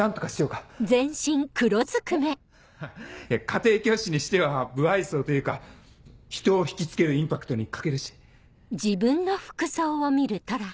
家庭教師にしては無愛想というか人を引きつけるインパクトに欠けるし。